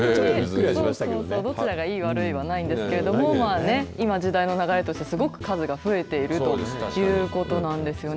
どちらがいい悪いはないんですけど、まあね、今時代の流れとして、すごく数が増えているということなんですよね。